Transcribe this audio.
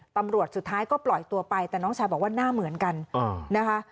สุดท้ายก็ปล่อยตัวไปแต่น้องชายบอกว่าหน้าเหมือนกันนะคะ